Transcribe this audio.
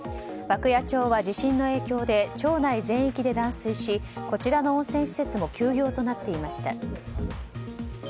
涌谷町は地震の影響で町内全域で断水しこちらの温泉施設も休業となっていました。